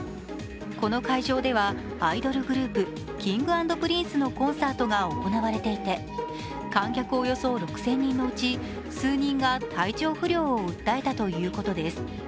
この会場ではアイドルグループＫｉｎｇ＆Ｐｒｉｎｃｅのコンサートが行われていて観客およそ６０００人のうち数人が体調不良を訴えたということです。